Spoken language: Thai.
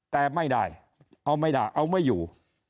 แต่ไม่ได้เอาไม่ได้เอาไม่อยู่